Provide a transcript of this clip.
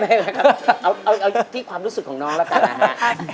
เอาที่ความรู้สึกของน้องแล้วกันนะฮะ